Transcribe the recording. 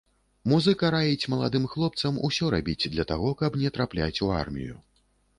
Музыка раіць маладым хлопцам усё рабіць для таго, каб не трапляць у армію.